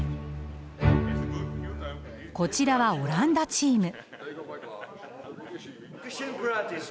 こちらはオランダチーム。